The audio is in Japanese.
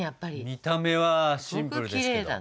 見た目はシンプルですけど。